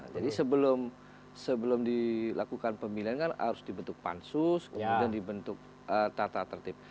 jadi sebelum dilakukan pemilihan kan harus dibentuk pansus kemudian dibentuk tata tertib